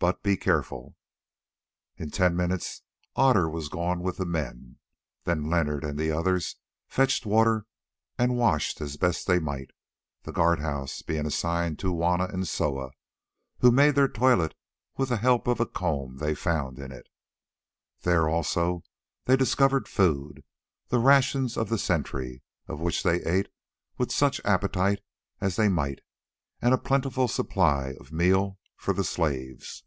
But be careful." In ten minutes Otter was gone with the men. Then Leonard and the others fetched water and washed as best they might, the guard house being assigned to Juanna and Soa, who made their toilet with the help of a comb they found in it. There also they discovered food, the rations of the sentry, of which they ate with such appetite as they might, and a plentiful supply of meal for the slaves.